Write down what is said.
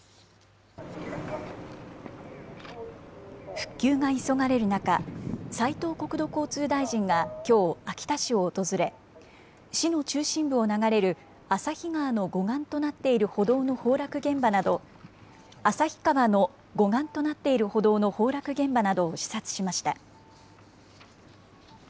復旧が急がれる中、斉藤国土交通大臣がきょう、秋田市を訪れ、市の中心部を流れるあさひがわの護岸となっている歩道の崩落現場など、旭川の護岸となっている崩落現場などを視察しました。